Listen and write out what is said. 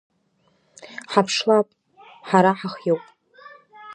Ҳаԥшлап, ҳара ҳахиоуп.